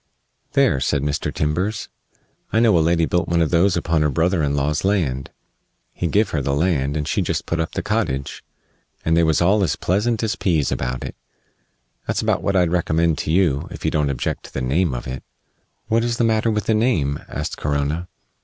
"There," said Mr. Timbers, "I know a lady built one of those upon her brother in law's land. He give her the land, and she just put up the cottage, and they was all as pleasant as pease about it. That's about what I'd recommend to you, if you don't object to the name of it." "What is the matter with the name?" asked Corona.